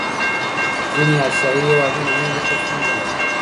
ځینې آسیایي هېوادونه هم ورته ستونزې لري.